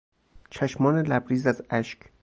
چشمان لبریز از اشک